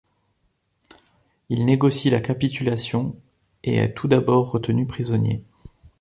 Il négocie la capitulation, et est tout d’abord retenu prisonnier.